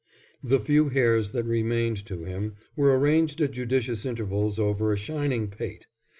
The few hairs that remained to him were arranged at judicious intervals over a shining pate.